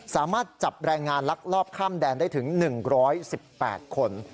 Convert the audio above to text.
สามารถจับแรงงานลักลอบข้ามแดนได้ถึง๑๑๘คน